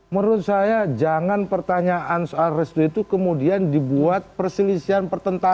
menurut saya jangan pertanyaan soal restu itu kemudian dibuat perselisihan pertentangan